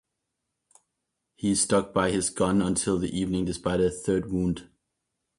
He stuck by his gun until the evening, despite a third wound.